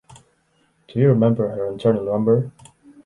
Do you remember her internal number?